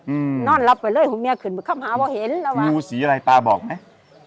อืมนอนหลับไปเลยหัวเมียขึ้นไปคำหาว่าเห็นแล้วว่ามูสีอะไรปลาบอกไหม